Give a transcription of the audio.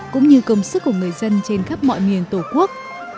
cũng như công sức của người dân trên khắp mọi miền tổ quốc